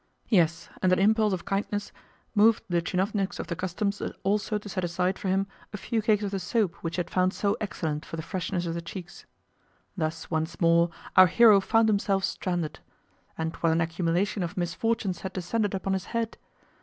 Yes, and an impulse of kindness moved the tchinovniks of the Customs also to set aside for him a few cakes of the soap which he had found so excellent for the freshness of the cheeks. Thus once more our hero found himself stranded. And what an accumulation of misfortunes had descended upon his head!